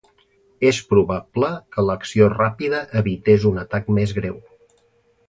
És probable que l'acció ràpida evités un atac més greu.